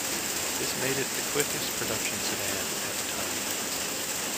This made it the quickest production sedan at the time.